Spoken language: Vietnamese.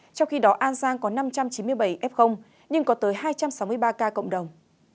trong khi đó an giang có năm trăm chín mươi bảy f nhưng có tới hai trăm sáu mươi ba ca cộng đồng